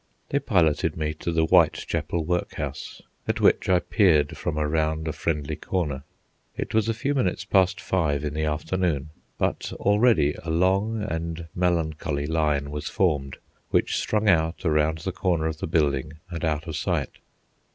They piloted me to the Whitechapel Workhouse, at which I peered from around a friendly corner. It was a few minutes past five in the afternoon but already a long and melancholy line was formed, which strung out around the corner of the building and out of sight.